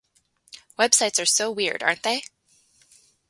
Websites are so weird, aren't they?